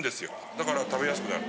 だから食べやすくなる。